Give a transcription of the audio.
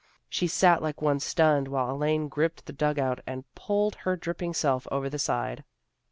She sat like one stunned while Elaine gripped the dug out and pulled her dripping self over the side.